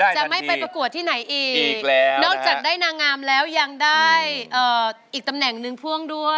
จะไม่ไปประกวดที่ไหนอีกนอกจากได้นางงามแล้วยังได้อีกตำแหน่งหนึ่งพ่วงด้วย